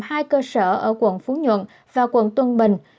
hai cơ sở ở quận phú nhuận và quận tân bình